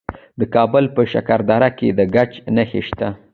د کابل په شکردره کې د ګچ نښې شته.